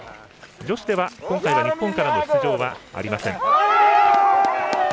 女子では今回、日本からの出場はありません。